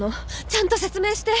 ちゃんと説明して。